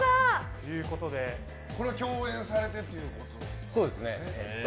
これは共演されてということですか？